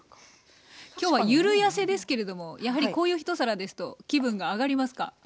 きょうはゆるやせですけれどもやはりこういうひと皿ですと気分が上がりますか？